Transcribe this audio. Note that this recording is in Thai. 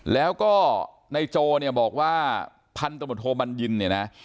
แล้วก็ในโจเนี่ยบอกว่าพันธบทโทบัญญินเนี่ยนะ